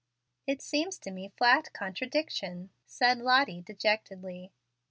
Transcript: "It seems to me flat contradiction," said Lottie, dejectedly.